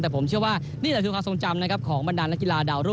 แต่ผมเชื่อว่านี่แหละคือความทรงจำนะครับ